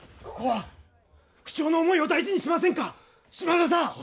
ここは副長の思いを大事にしませんか島田さん！